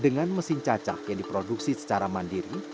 dengan mesin cacak yang diproduksi secara mandiri